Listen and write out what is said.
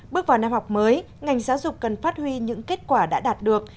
bước vào năm học mới ngành giáo dục cần phát huy những kết quả đã đạt được